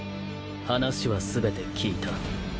話は全て聞いた。